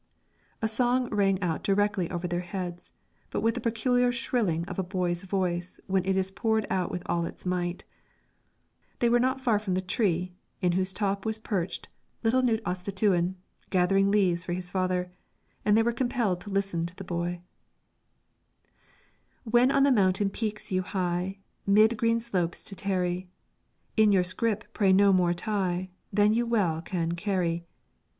A song rang out directly over their heads, but with the peculiar shrilling of a boy's voice when it is poured out with all its might. They were not far from the tree in whose top was perched little Knut Ostistuen, gathering leaves for his father, and they were compelled to listen to the boy: "When on mountain peaks you hie, 'Mid green slopes to tarry, In your scrip pray no more tie, Than you well can carry.